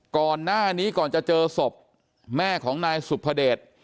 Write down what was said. ก่อนหน้านี้ก่อนจะเจอศพแม่ของนายสุภเดช